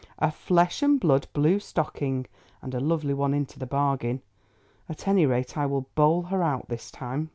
A flesh and blood blue stocking, and a lovely one into the bargain. At any rate I will bowl her out this time."